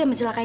aku mau pergi